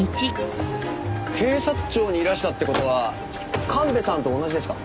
警察庁にいらしたって事は神戸さんと同じですか？